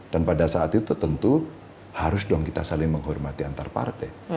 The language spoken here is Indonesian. dan pada saat itu tentu harus dong kita saling menghormati antar partai